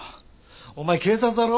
お前警察だろ？